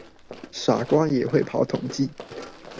傻瓜也會跑統計